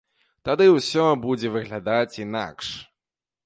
Тады ўсё будзе выглядаць інакш.